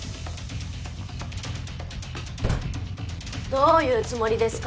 どういうつもりですか？